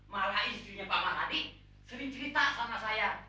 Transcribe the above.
malah istrinya pak marhadi sering cerita sama saya